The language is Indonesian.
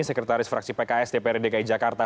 sekretaris fraksi pks dprd dki jakarta